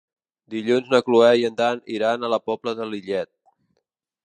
Dilluns na Cloè i en Dan iran a la Pobla de Lillet.